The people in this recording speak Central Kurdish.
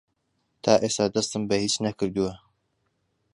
تا ئێستا دەستم بە هیچ نەکردووە.